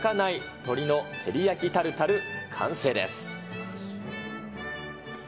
鶏の照り焼きタルタル完成です。